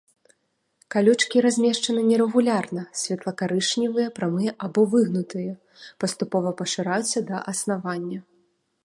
Калючкі размешчаны нерэгулярна, светла-карычневыя, прамыя або выгнутыя, паступова пашыраюцца да аснавання.